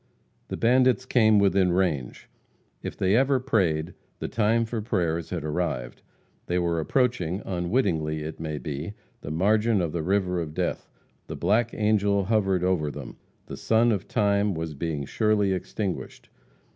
The bandits came within range. If they ever prayed, the time for prayers had arrived. They were approaching, unwittingly it may be, the margin of the river of death; the black angel hovered over them, the sun of time was being surely extinguished.